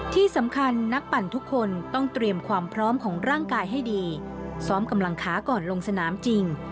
ที่สำคัญนักปั่นทุกคนต้องเตรียมความพร้อมของร่างกายให้ดีซ้อมกำลังขาก่อนลงสนามจริง